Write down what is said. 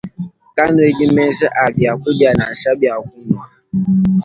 Kanuedi menji a biakudia nansha bia kunua.